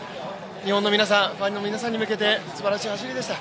日本の皆さん、ファンの皆さんに向けてすばらしい走りでした。